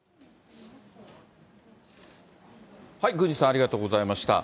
郡司さん、ありがとうございました。